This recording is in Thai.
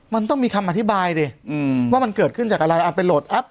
มันต้องมีคำอธิบายดิว่ามันเกิดขึ้นจากอะไรเอาไปโหลดแอป